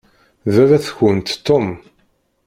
D baba-tkent Tom.